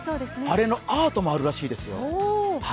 あれのアートもあるらしいですよ。